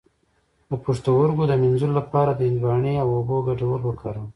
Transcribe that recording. د پښتورګو د مینځلو لپاره د هندواڼې او اوبو ګډول وکاروئ